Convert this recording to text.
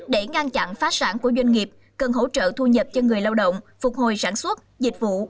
để ngăn chặn phát sản của doanh nghiệp cần hỗ trợ thu nhập cho người lao động phục hồi sản xuất dịch vụ